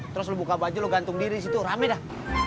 terus lu buka baju lu gantung diri disitu rame dah